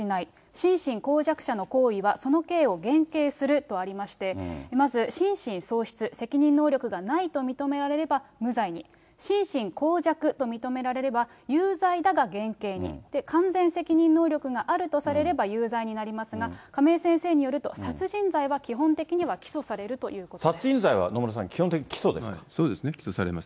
心神耗弱者の行為はその刑を減軽するとありまして、まず、心神喪失、責任能力がないと認められれば無罪に、心神耗弱と認められれば有罪だが減刑に、完全責任能力があるとされれば有罪になりますが、亀井先生によると殺人罪は基本的には起訴されるということです。